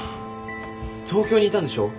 東京にいたんでしょ？